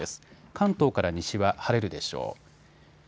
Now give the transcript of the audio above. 関東から西は晴れるでしょう。